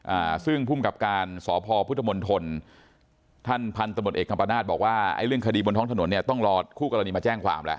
อ่าซึ่งภูมิกับการสพพุทธมนตรท่านพันธมตเอกกัปนาศบอกว่าไอ้เรื่องคดีบนท้องถนนเนี่ยต้องรอคู่กรณีมาแจ้งความแล้ว